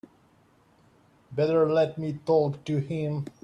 Better let me talk to him.